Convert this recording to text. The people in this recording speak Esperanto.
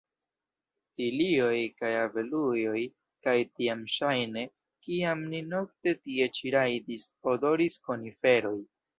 Tilioj kaj avelujoj, kaj tiam ŝajne, kiam ni nokte tie ĉi rajdis, odoris koniferoj.